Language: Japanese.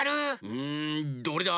うんどれだ？